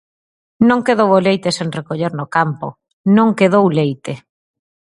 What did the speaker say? Non quedou o leite sen recoller no campo; non quedou leite.